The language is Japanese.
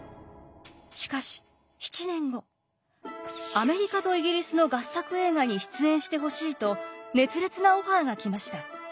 アメリカとイギリスの合作映画に出演してほしいと熱烈なオファーが来ました。